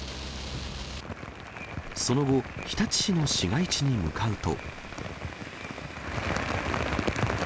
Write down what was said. その後、日立市の市街地に向かうと。